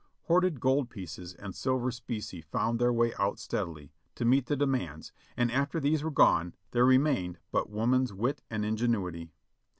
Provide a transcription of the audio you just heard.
Hoarded gold pieces and silver specie found their way out steadily, to meet the demands, and after these were gone, there remained but woman's wit and ingenuity.